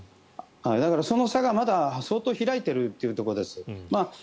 だからその差がまだ相当開いているということです。